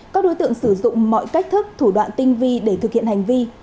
các đối tượng sử dụng mọi cách thức thủ đoạn tinh vi để thực hiện hành vi